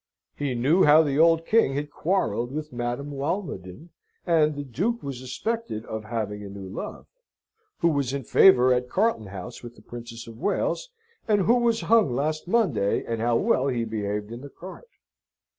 He knew how the old king had quarrelled with Madame Walmoden, and the Duke was suspected of having a new love; who was in favour at Carlton House with the Princess of Wales, and who was hung last Monday, and how well he behaved in the cart.